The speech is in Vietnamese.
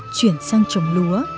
chuyển sang trồng lúa